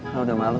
lo udah malu